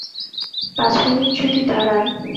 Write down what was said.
পাঁচ মিনিট যদি দাঁড়ান।